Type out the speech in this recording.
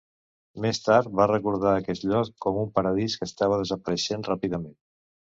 Més tard va recordar aquest lloc com un paradís que estava desapareixent ràpidament.